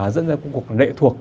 dẫn đến một cuộc lệ thuộc